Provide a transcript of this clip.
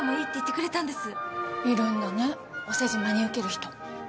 いるんだねお世辞真に受ける人。